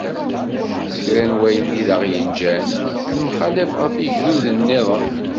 S kra n wayen i d-aɣ-yeǧǧan nemxallaf ɣef yigduden-nniḍen.